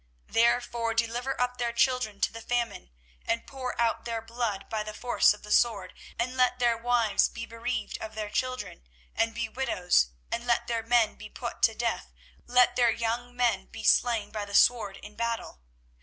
24:018:021 Therefore deliver up their children to the famine, and pour out their blood by the force of the sword; and let their wives be bereaved of their children, and be widows; and let their men be put to death; let their young men be slain by the sword in battle.